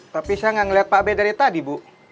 tapi saya gak ngeliat pak be dari tadi bu